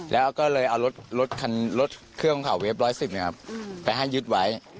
แล้วก็เลยเอารถค่านรถเครื่องของเขาวิธี๑๑๐นะครับไปให้ยึดไว้